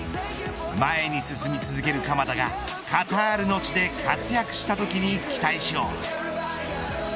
前に進み続ける鎌田がカタールの地で活躍したときに期待しよう。